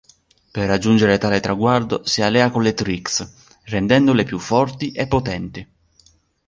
Per raggiungere tale traguardo, si allea con le Trix, rendendole più forti e potenti.